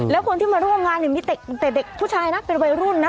แล้วคนที่มาร่วมงานเนี่ยมีเด็กผู้ชายนะเป็นวัยรุ่นนะ